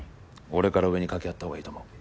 俺から上に掛け合ったほうがいいと思う。